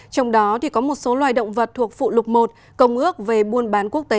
trong đó có một số loài động vật thuộc phụ lục một công ước về buôn bán quốc tế